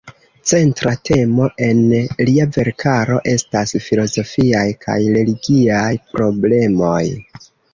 Centra temo en lia verkaro estas filozofiaj kaj religiaj problemoj.